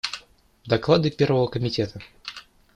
Доклады Первого комитета.